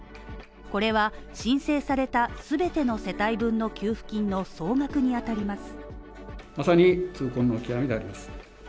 これは申請された全ての世帯分の給付金の総額にあたります。